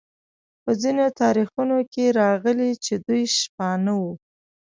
په ځینو تاریخونو کې راغلي چې دوی شپانه وو.